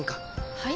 はい？